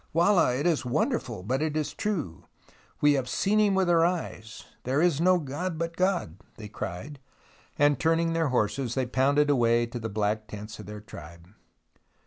Wallah, it is wonderful, but it is true. We have seen him with our eyes. There is no God but God !" they cried, and turning their horses they pounded away to the black tents of their tribe.